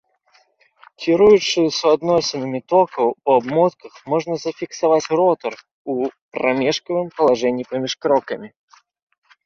Кіруючы суадносінамі токаў у абмотках можна зафіксаваць ротар у прамежкавым палажэнні паміж крокамі.